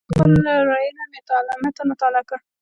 هغه په خپله لورینه متن مطالعه کړ.